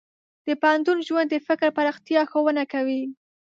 د پوهنتون ژوند د فکر پراختیا ښوونه کوي.